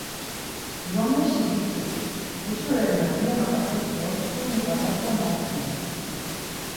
Lomeşi biç̌ik, Heşo renna elemaǩatit do çkuni ǩala komoxti ya.